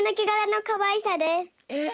えっ！？